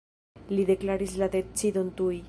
Ili deklaris la decidon tuj.